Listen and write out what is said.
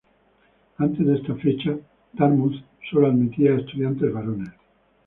Antes de esta fecha Dartmouth solo admitía a estudiantes varones.